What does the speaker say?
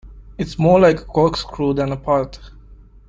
It’s more like a corkscrew than a path!